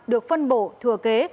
được phân bổ thừa kế